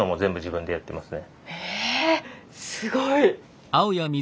えすごい！